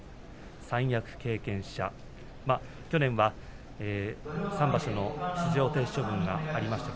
三役経験者、去年は３場所の出場停止処分がありました。